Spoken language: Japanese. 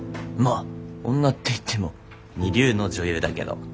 まあ女って言っても二流の女優だけど。